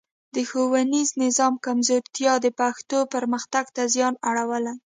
د ښوونیز نظام کمزورتیا د پښتو پرمختګ ته زیان اړولی.